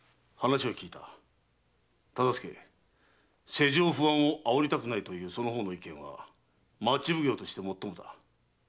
世情不安を煽りたくないというその方の意見は町奉行としてもっともだ。